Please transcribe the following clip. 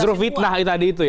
justru fitnah tadi itu ya